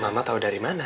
mama tau dari mana